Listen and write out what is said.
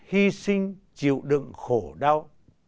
hy sinh chịu đựng khổ đau